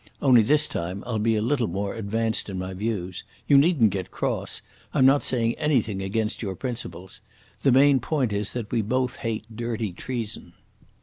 Only this time I'll be a little more advanced in my views.... You needn't get cross. I'm not saying anything against your principles. The main point is that we both hate dirty treason."